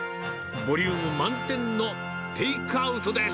ボリューム満点のテイクアウトです。